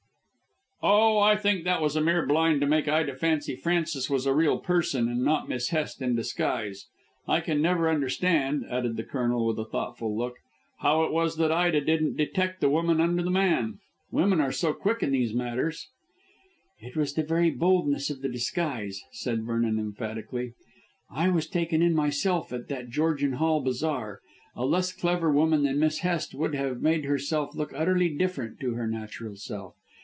"Oh, I think that was a mere blind to make Ida fancy Francis was a real person and not Miss Hest in disguise. I can never understand," added the Colonel with a thoughtful look, "how it was that Ida didn't detect the woman under the man. Women are so quick in these matters." "It was the very boldness of the disguise," said Vernon emphatically. "I was taken in myself at that Georgian Hall Bazaar. A less clever woman than Miss Hest would have made herself look utterly different to her natural self.